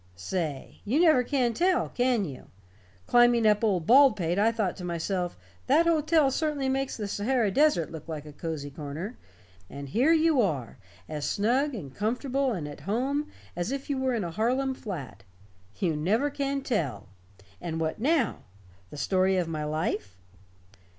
"Say, you never can tell, can you? Climbing up old Baldpate I thought to myself, that hotel certainly makes the Sahara Desert look like a cozy corner. And here you are, as snug and comfortable and at home as if you were in a Harlem flat. You never can tell. And what now? The story of my life?"